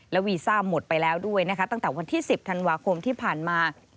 วีซ่าหมดไปแล้วด้วยนะคะตั้งแต่วันที่๑๐ธันวาคมที่ผ่านมา